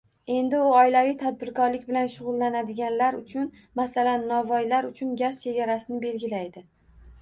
Endi u oilaviy tadbirkorlik bilan shug'ullanadiganlar uchun, masalan, novoylar uchun gaz chegarasini belgilaydi.